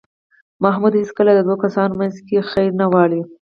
محمود هېڅکله د دو کسانو منځ کې خیر نه غواړي.